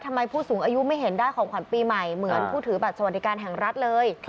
ผู้สูงอายุไม่เห็นได้ของขวัญปีใหม่เหมือนผู้ถือบัตรสวัสดิการแห่งรัฐเลย